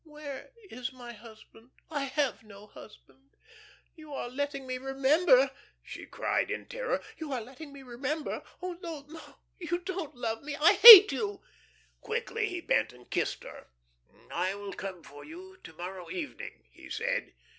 "Where is my husband? I have no husband. You are letting me remember," she cried, in terror. "You are letting me remember. Ah, no, no, you don't love me! I hate you!" Quickly he bent and kissed her. "I will come for you to morrow evening," he said.